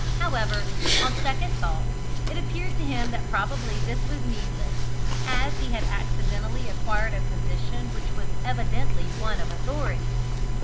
However, on second thoughts, it appeared to him that probably this was needless, as he had accidentally acquired a position which was evidently one of authority.